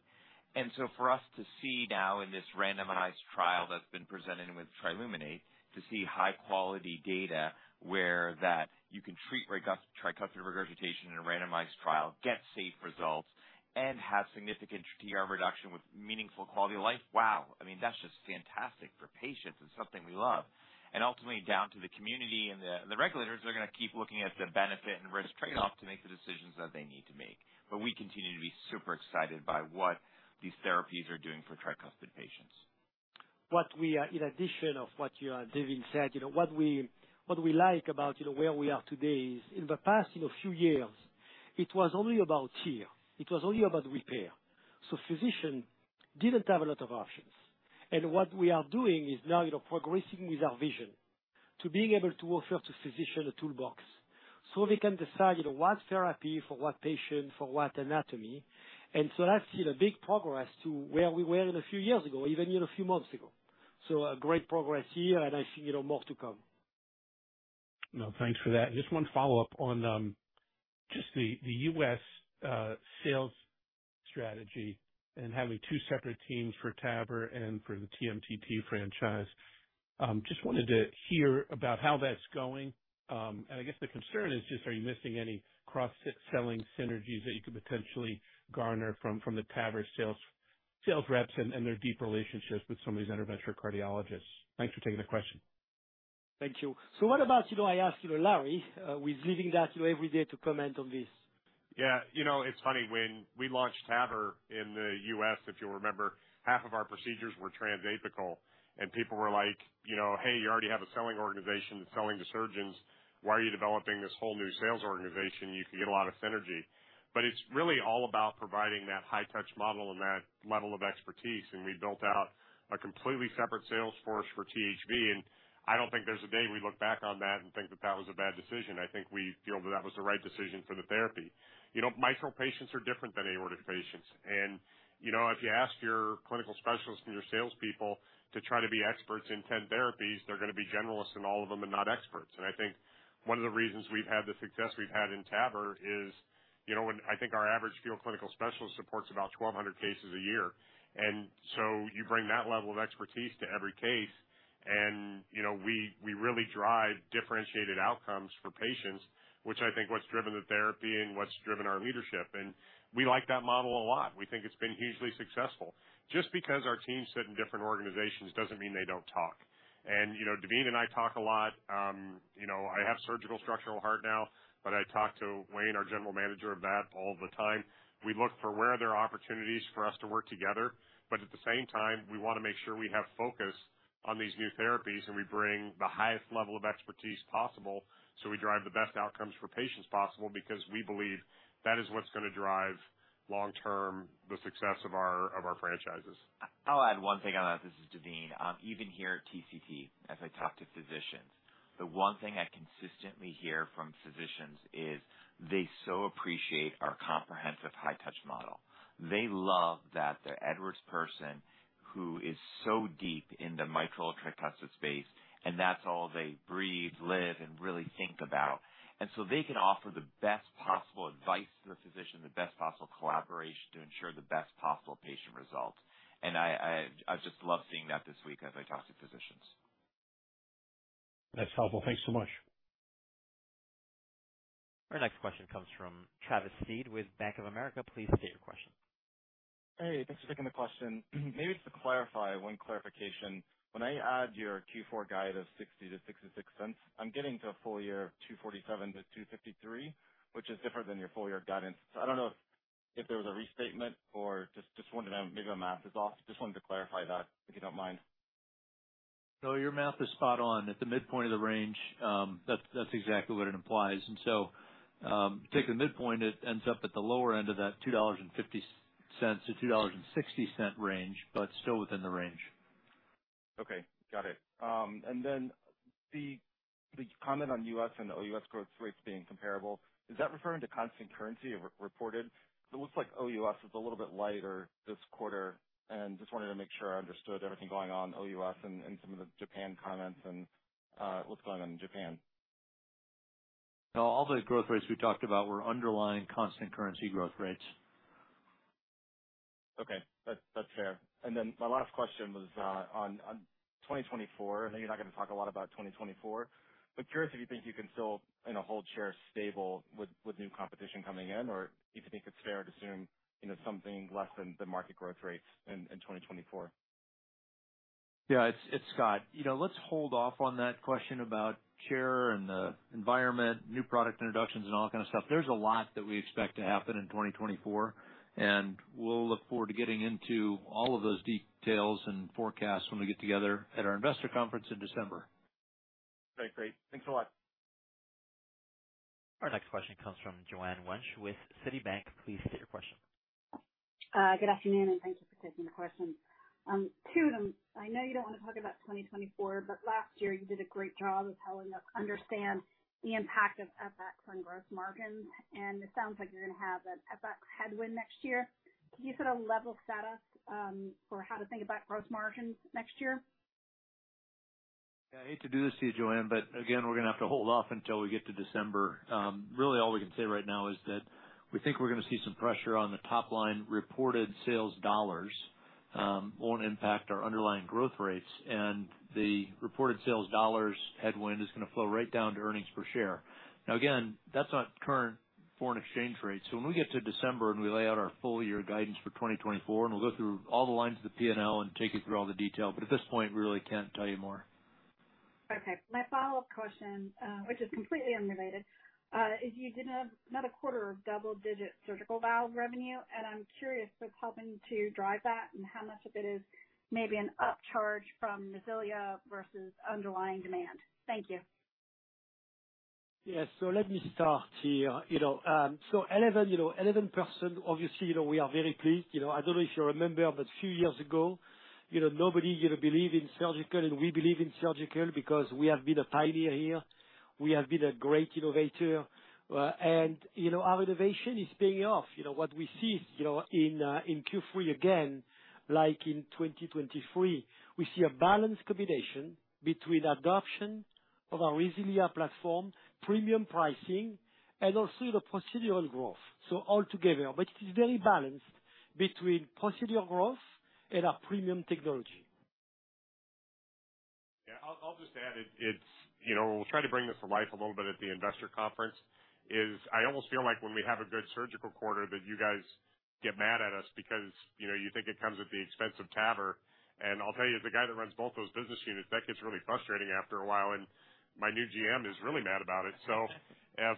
And so for us to see now in this randomized trial that's been presented with TRILUMINATE, to see high-quality data where that you can treat tricuspid regurgitation in a randomized trial, get safe results, and have significant TR reduction with meaningful quality of life, wow! I mean, that's just fantastic for patients and something we love. Ultimately, down to the community and the regulators, they're gonna keep looking at the benefit and risk trade-off to make the decisions that they need to make. But we continue to be super excited by what these therapies are doing for tricuspid patients. What we are, in addition to what Daveen said, you know, what we like about where we are today is, in the past few years, it was only about TEER, it was only about repair. So physicians didn't have a lot of options. And what we are doing is now progressing with our vision to being able to offer physicians a toolbox, so they can decide what therapy for what patient, for what anatomy. And so that's big progress to where we were a few years ago, even a few months ago. So a great progress here, and I see more to come. No, thanks for that. Just one follow-up on just the U.S. sales strategy and having two separate teams for TAVR and for the TMTT franchise. Just wanted to hear about how that's going. And I guess the concern is just, are you missing any cross-selling synergies that you could potentially garner from the TAVR sales reps and their deep relationships with some of these interventional cardiologists? Thanks for taking the question. Thank you. So what about, you know, I ask, you know, Larry, who is leading that, you know, every day to comment on this? Yeah, you know, it's funny, when we launched TAVR in the U.S., if you'll remember, half of our procedures were transapical, and people were like, you know, "Hey, you already have a selling organization that's selling to surgeons. Why are you developing this whole new sales organization? You could get a lot of synergy." But it's really all about providing that high touch model and that level of expertise, and we built out a completely separate sales force for THV, and I don't think there's a day we look back on that and think that that was a bad decision. I think we feel that that was the right decision for the therapy. You know, mitral patients are different than aortic patients, and, you know, if you ask your clinical specialists and your salespeople to try to be experts in 10 therapies, they're gonna be generalists in all of them and not experts. And I think one of the reasons we've had the success we've had in TAVR is, you know, when... I think our average field clinical specialist supports about 1,200 cases a year. And so you bring that level of expertise to every case, and, you know, we really drive differentiated outcomes for patients, which I think what's driven the therapy and what's driven our leadership, and we like that model a lot. We think it's been hugely successful. Just because our teams sit in different organizations doesn't mean they don't talk. You know, Daveen and I talk a lot, you know, I have surgical structural heart now, but I talk to Wayne, our general manager of that, all the time. We look for where there are opportunities for us to work together, but at the same time, we wanna make sure we have focus on these new therapies, and we bring the highest level of expertise possible, so we drive the best outcomes for patients possible, because we believe that is what's gonna drive long-term the success of our, of our franchises. I'll add one thing on that. This is Daveen. Even here at TCT, as I talk to physicians, the one thing I consistently hear from physicians is they so appreciate our comprehensive high touch model. They love that the Edwards person, who is so deep in the mitral tricuspid space, and that's all they breathe, live, and really think about. So they can offer the best possible advice to the physician, the best possible collaboration to ensure the best possible patient result. I just love seeing that this week as I talk to physicians. That's helpful. Thanks so much. Our next question comes from Travis Steed with Bank of America. Please state your question. Hey, thanks for taking the question. Maybe just to clarify, one clarification, when I add your Q4 guide of $0.60-$0.66, I'm getting to a full year of $2.47-$2.53, which is different than your full year guidance. So I don't know if there was a restatement or just wondering, maybe my math is off. Just wanted to clarify that, if you don't mind. No, your math is spot on. At the midpoint of the range, that's exactly what it implies. And so, take the midpoint, it ends up at the lower end of that $2.50-$2.60 range, but still within the range. Okay, got it. And then the comment on U.S. and OUS growth rates being comparable, is that referring to constant currency or reported? It looks like OUS is a little bit lighter this quarter, and just wanted to make sure I understood everything going on in OUS and some of the Japan comments and what's going on in Japan. No, all those growth rates we talked about were underlying constant currency growth rates. Okay, that's, that's fair. And then my last question was on 2024. I know you're not gonna talk a lot about 2024, but curious if you think you can still, you know, hold share stable with new competition coming in, or if you think it's fair to assume, you know, something less than the market growth rates in 2024? Yeah, it's Scott. You know, let's hold off on that question about share and the environment, new product introductions and all kind of stuff. There's a lot that we expect to happen in 2024, and we'll look forward to getting into all of those details and forecasts when we get together at our investor conference in December. Great. Great. Thanks a lot. Our next question comes from Joanne Wuensch with Citibank. Please state your question. Good afternoon, and thank you for taking the question. Two of them. I know you don't want to talk about 2024, but last year you did a great job of helping us understand the impact of FX on gross margins, and it sounds like you're gonna have an FX headwind next year. Can you sort of level with us, for how to think about gross margins next year? Yeah, I hate to do this to you, Joanne, but again, we're gonna have to hold off until we get to December. Really all we can say right now is that we think we're gonna see some pressure on the top line reported sales dollars, it won't impact our underlying growth rates. And the reported sales dollars headwind is gonna flow right down to earnings per share. Now, again, that's not current foreign exchange rate. So when we get to December and we lay out our full year guidance for 2024, and we'll go through all the lines of the P&L and take you through all the detail, but at this point, we really can't tell you more. Okay. My follow-up question, which is completely unrelated, is you did another quarter of double digit surgical valve revenue, and I'm curious what's helping to drive that and how much of it is maybe an upcharge from RESILIA versus underlying demand? Thank you. Yes, so let me start here. You know, so 11, you know, 11%, obviously, you know, we are very pleased. You know, I don't know if you remember, but a few years ago, you know, nobody, you know, believe in surgical, and we believe in surgical because we have been a pioneer here. We have been a great innovator, and, you know, our innovation is paying off. You know, what we see, you know, in, in Q3 again, like in 2023, we see a balanced combination between adoption of our RESILIA platform, premium pricing, and also the procedural growth. So altogether, but it is very balanced between procedural growth and our premium technology. Yeah, I'll just add it. It's... You know, we'll try to bring this to life a little bit at the investor conference. I almost feel like when we have a good surgical quarter, that you guys get mad at us because, you know, you think it comes at the expense of TAVR. And I'll tell you, as the guy that runs both those business units, that gets really frustrating after a while, and my new GM is really mad about it. So if,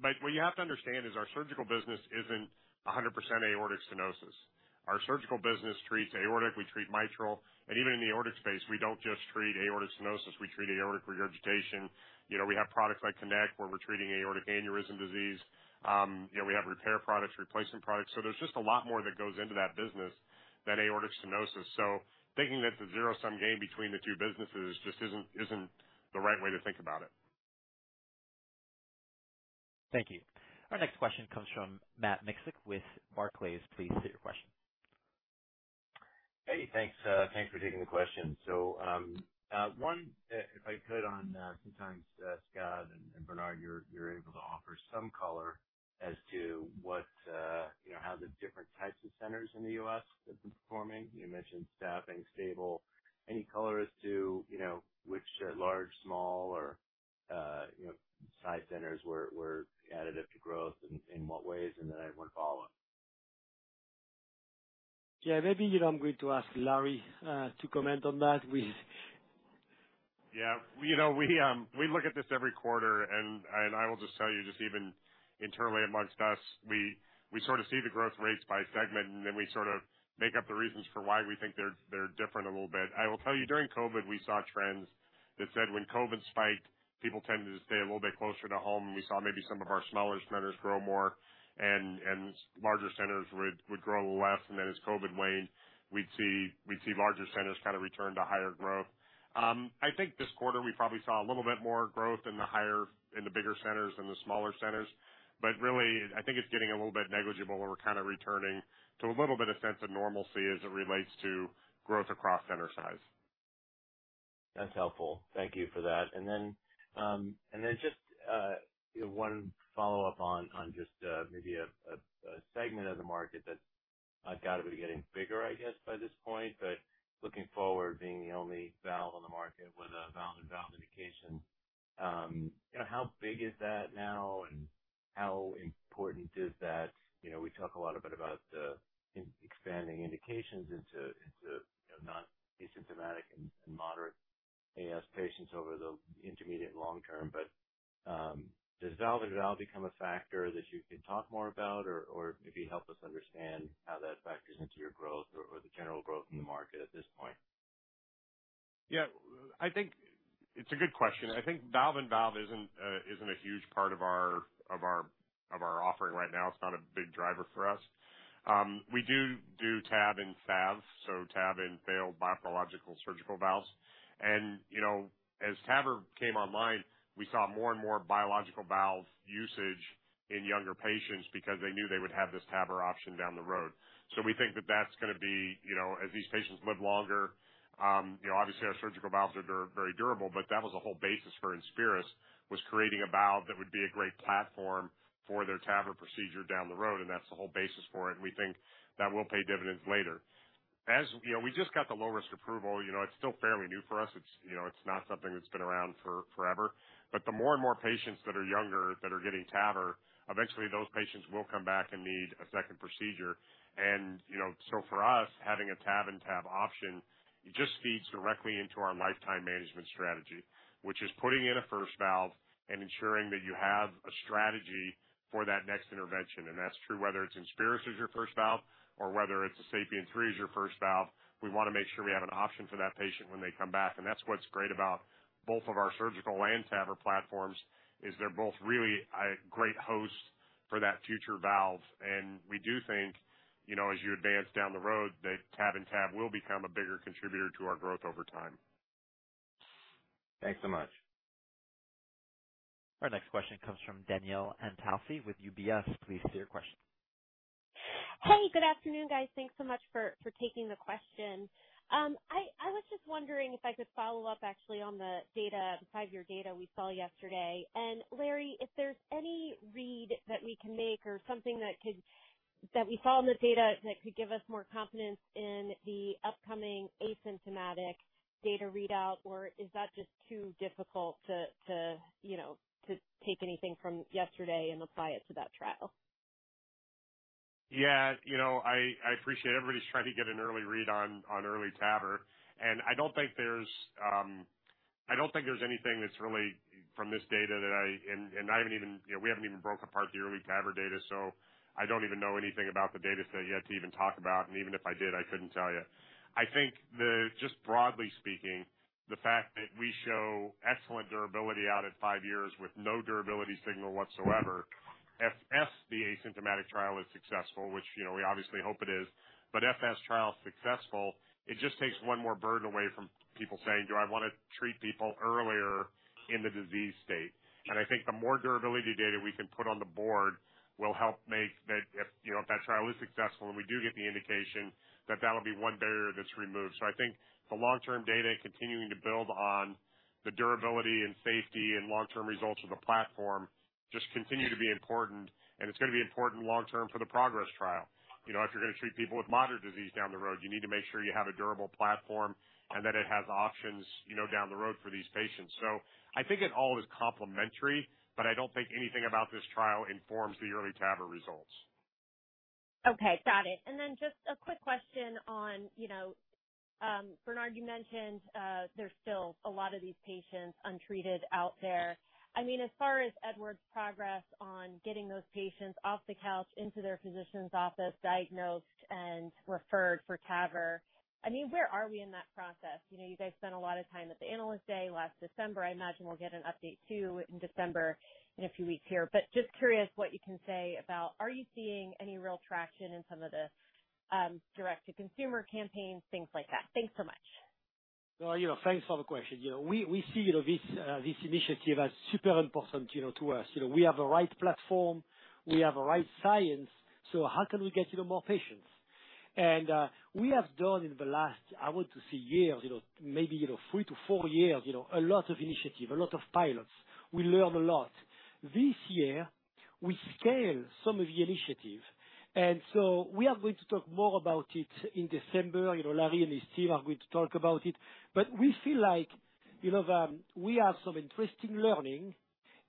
but what you have to understand is our surgical business isn't 100% aortic stenosis. Our surgical business treats aortic, we treat mitral, and even in the aortic space, we don't just treat aortic stenosis, we treat aortic regurgitation. You know, we have products like Konect, where we're treating aortic aneurysm disease. You know, we have repair products, replacement products, so there's just a lot more that goes into that business than aortic stenosis. So thinking that it's a zero-sum game between the two businesses just isn't the right way to think about it. Thank you. Our next question comes from Matt Miksic with Barclays. Please state your question. Hey, thanks. Thanks for taking the question. So, one, if I could, on, sometimes, Scott and Bernard, you're able to offer some color as to what, you know, how the different types of centers in the US have been performing. You mentioned staffing stable. Any color as to, you know, which large, small or, you know, size centers were additive to growth and in what ways? And then I have one follow-up. Yeah, maybe, you know, I'm going to ask Larry to comment on that with... Yeah. You know, we look at this every quarter, and I will just tell you, just even internally amongst us, we sort of see the growth rates by segment, and then we sort of make up the reasons for why we think they're different a little bit. I will tell you, during COVID, we saw trends that said when COVID spiked, people tended to stay a little bit closer to home, and we saw maybe some of our smaller centers grow more and larger centers would grow less. Then as COVID waned, we'd see larger centers kind of return to higher growth. I think this quarter we probably saw a little bit more growth in the higher, in the bigger centers than the smaller centers. Really, I think it's getting a little bit negligible when we're kind of returning to a little bit of sense of normalcy as it relates to growth across center size. That's helpful. Thank you for that. And then just one follow-up on just maybe a segment of the market that I've got to be getting bigger, I guess, by this point, but looking forward, being the only valve on the market with a valve-in-valve indication, you know, how big is that now? And how important is that? You know, we talk a lot about the expanding indications into, you know, asymptomatic and moderate AS patients over the intermediate long term. But does valve-in-valve become a factor that you can talk more about? Or maybe help us understand how that factors into your growth or the general growth in the market at this point. Yeah, I think it's a good question. I think valve-and-valve isn't a huge part of our offering right now. It's not a big driver for us. We do TAV in TAV, so TAV in failed biological surgical valves. And, you know, as TAVR came online, we saw more and more biological valve usage in younger patients because they knew they would have this TAVR option down the road. So we think that that's gonna be, you know, as these patients live longer, you know, obviously our surgical valves are very durable, but that was the whole basis for INSPIRIS, was creating a valve that would be a great platform for their TAVR procedure down the road, and that's the whole basis for it, and we think that will pay dividends later. You know, we just got the low-risk approval, you know, it's still fairly new for us. It's, you know, it's not something that's been around for forever. But the more and more patients that are younger that are getting TAVR, eventually those patients will come back and need a second procedure. And, you know, so for us, having a TAV in TAV option, it just feeds directly into our lifetime management strategy, which is putting in a first valve and ensuring that you have a strategy for that next intervention, and that's true whether it's INSPIRIS as your first valve or whether it's a SAPIEN 3 as your first valve. We wanna make sure we have an option for that patient when they come back, and that's what's great about both of our surgical and TAVR platforms, is they're both really a great host for that future valve. We do think, you know, as you advance down the road, that TAV in TAV will become a bigger contributor to our growth over time. Thanks so much. Our next question comes from Danielle Antalffy with UBS. Please state your question. Hi, good afternoon, guys. Thanks so much for taking the question. I was just wondering if I could follow up actually on the data, the five year data we saw yesterday. And, Larry, if there's any read that we can make or something that we saw in the data that could give us more confidence in the upcoming asymptomatic data readout, or is that just too difficult to, you know, to take anything from yesterday and apply it to that trial? Yeah, you know, I, I appreciate everybody's trying to get an early read on, on early TAVR, and I don't think there's, I don't think there's anything that's really from this data that I... And, and I haven't even, you know, we haven't even broke apart the early TAVR data, so I don't even know anything about the data set yet to even talk about, and even if I did, I couldn't tell you. I think just broadly speaking, the fact that we show excellent durability out at five years with no durability signal whatsoever, if AS, the asymptomatic trial, is successful, which, you know, we obviously hope it is, but if that trial's successful, it just takes one more burden away from people saying, "Do I want to treat people earlier in the disease state?" And I think the more durability data we can put on the board will help make that, if, you know, if that trial is successful and we do get the indication, that that'll be one barrier that's removed. So I think the long-term data continuing to build on the durability and safety and long-term results of the platform just continue to be important, and it's gonna be important long term for the PROGRESS trial. You know, if you're gonna treat people with moderate disease down the road, you need to make sure you have a durable platform and that it has options, you know, down the road for these patients. So I think it all is complementary, but I don't think anything about this trial informs the early TAVR results. Okay, got it. And then just a quick question on, you know, Bernard, you mentioned, there's still a lot of these patients untreated out there. I mean, as far as Edwards' progress on getting those patients off the couch, into their physician's office, diagnosed, and referred for TAVR, I mean, where are we in that process? You know, you guys spent a lot of time at the Analyst Day last December. I imagine we'll get an update, too, in December, in a few weeks here. But just curious what you can say about, are you seeing any real traction in some of the, direct-to-consumer campaigns, things like that? Thanks so much. So, you know, thanks for the question. You know, we, we see, you know, this, this initiative as super important, you know, to us. You know, we have the right platform, we have the right science, so how can we get even more patients? And, we have done in the last, I want to say years, you know, maybe, you know, three to four years, you know, a lot of initiative, a lot of pilots. We learn a lot. This year, we scale some of the initiative, and so we are going to talk more about it in December. You know, Larry and his team are going to talk about it. But we feel like, you know, we have some interesting learning,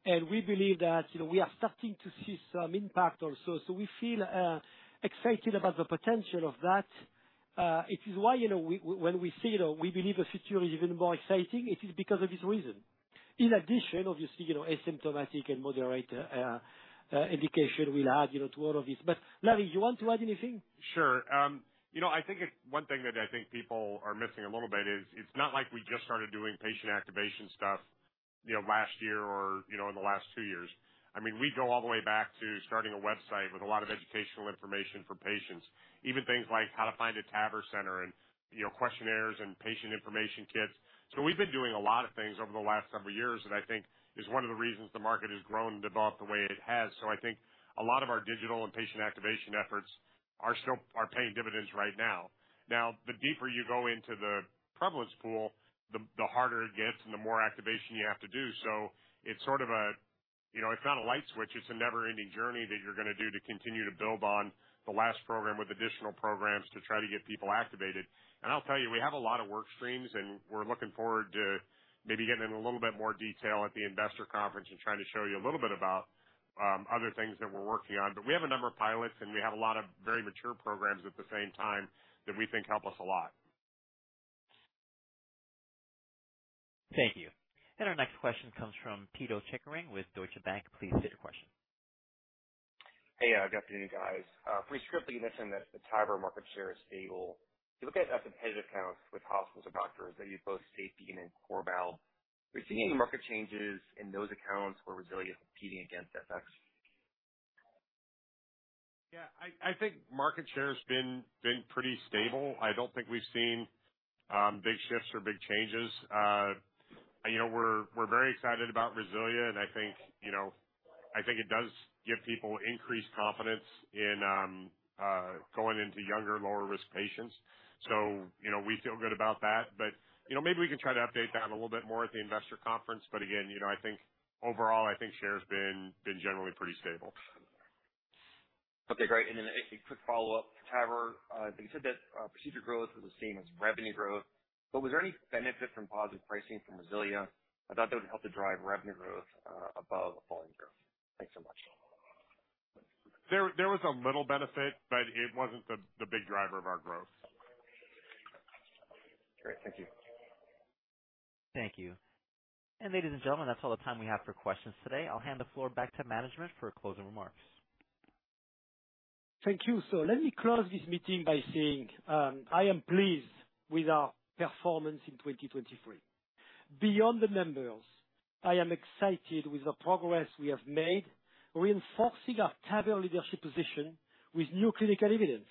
and we believe that, you know, we are starting to see some impact also. So we feel, excited about the potential of that. It is why, you know, when we say that we believe the future is even more exciting, it is because of this reason. In addition, obviously, you know, asymptomatic and moderate indication will add, you know, to all of this. But, Larry, you want to add anything? Sure. You know, I think it's one thing that I think people are missing a little bit is, it's not like we just started doing patient activation stuff, you know, last year or, you know, in the last two years. I mean, we go all the way back to starting a website with a lot of educational information for patients, even things like how to find a TAVR center and, you know, questionnaires and patient information kits. So we've been doing a lot of things over the last several years, that I think is one of the reasons the market has grown and developed the way it has. So I think a lot of our digital and patient activation efforts are paying dividends right now. Now, the deeper you go into the prevalence pool, the harder it gets and the more activation you have to do. So it's sort of... You know, I found a light switch. It's a never-ending journey that you're gonna do to continue to build on the last program with additional programs to try to get people activated. And I'll tell you, we have a lot of work streams, and we're looking forward to maybe getting into a little bit more detail at the investor conference and trying to show you a little bit about other things that we're working on. But we have a number of pilots, and we have a lot of very mature programs at the same time that we think help us a lot. Thank you. And our next question comes from Pito Chickering with Deutsche Bank. Please state your question. Hey, good afternoon, guys. Previously, you mentioned that the TAVR market share is stable. You look at competitive accounts with hospitals and doctors that use both SAPIEN and CoreValve. We're seeing market changes in those accounts where RESILIA is competing against FX. Yeah, I think market share has been pretty stable. I don't think we've seen big shifts or big changes. You know, we're very excited about Resilia, and I think it does give people increased confidence in going into younger, lower-risk patients. So, you know, we feel good about that, but you know, maybe we can try to update that a little bit more at the investor conference. But again, you know, I think overall, I think share has been generally pretty stable. Okay, great. And then a quick follow-up. TAVR, you said that procedure growth was the same as revenue growth, but was there any benefit from positive pricing from Resilia? I thought that would help to drive revenue growth above volume growth. Thanks so much. There was a little benefit, but it wasn't the big driver of our growth. Great. Thank you. Thank you. Ladies and gentlemen, that's all the time we have for questions today. I'll hand the floor back to management for closing remarks. Thank you. So let me close this meeting by saying, I am pleased with our performance in 2023. Beyond the numbers, I am excited with the progress we have made, reinforcing our TAVR leadership position with new clinical evidence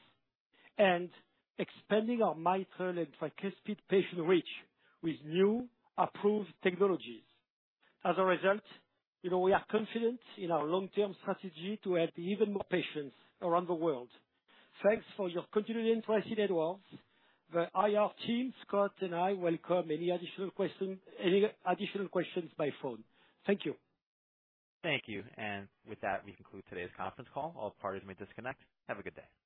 and expanding our mitral and tricuspid patient reach with new approved technologies. As a result, you know, we are confident in our long-term strategy to help even more patients around the world. Thanks for your continued interest in Edwards. The IR team, Scott, and I welcome any additional question, any additional questions by phone. Thank you. Thank you. And with that, we conclude today's conference call. All parties may disconnect. Have a good day.